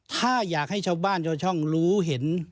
ถ้าอยากให้ชาวบ้านชาวช่องรู้เห็น